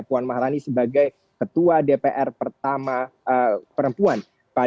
puan maharani sebagai ketua dpr pertama perempuan